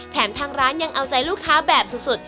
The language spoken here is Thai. แถมทางร้านยังเอาใจลูกค้าแบบสุด